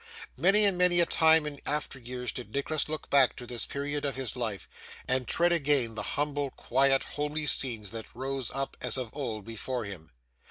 Many and many a time in after years did Nicholas look back to this period of his life, and tread again the humble quiet homely scenes that rose up as of old before him.